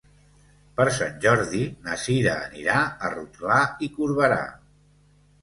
Per Sant Jordi na Cira anirà a Rotglà i Corberà.